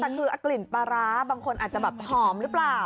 แต่คือกลิ่นปลาร้าบางคนอาจจะแบบหอมหรือเปล่า